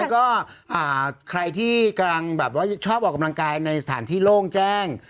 แล้วก็ใครที่ออกกำลังกายในสถานที่โล่งแจ้ง